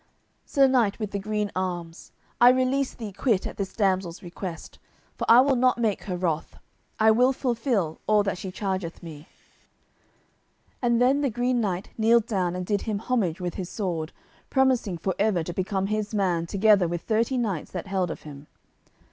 Sir Knight with the green arms, I release thee quit at this damsel's request, for I will not make her wroth; I will fulfil all that she chargeth me." And then the Green Knight kneeled down and did him homage with his sword, promising for ever to become his man together with thirty knights that held of him.